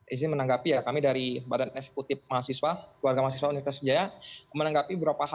ini menanggapi kami dari badan esekutif mahasiswa keluarga mahasiswa universitas sriwijaya menanggapi beberapa hal